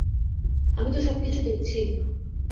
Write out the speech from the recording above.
আমি তো সব কিছু দেখছি!